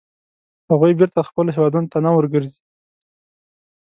هغوی بېرته خپلو هیوادونو ته نه ورګرځي.